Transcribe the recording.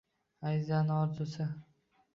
Azizaning orzusi